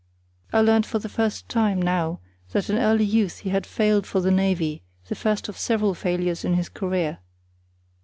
I learnt for the first time now that in early youth he had failed for the navy, the first of several failures in his career.